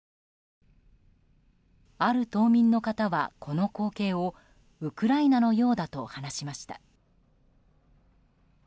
ある島民の方は、この光景をウクライナのようだと話しました。